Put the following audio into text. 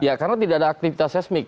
ya karena tidak ada aktivitas seismik